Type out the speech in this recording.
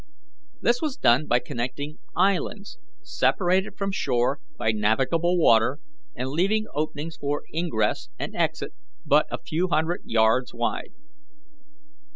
This was done by connecting islands separated from shore by navigable water, and leaving openings for ingress and exit but a few hundred yards wide.